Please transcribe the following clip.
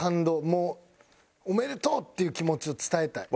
もう「おめでとう！」っていう気持ちを伝えたい。